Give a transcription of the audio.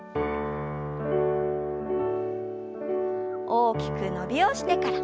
大きく伸びをしてから。